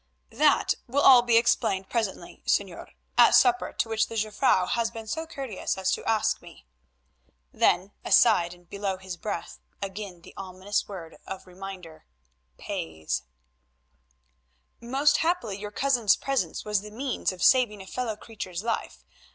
"That will all be explained presently, Señor—at supper, to which the Jufvrouw has been so courteous as to ask me," then, aside and below his breath, again the ominous word of reminder—"pays." "Most happily, your cousin's presence was the means of saving a fellow creature's life.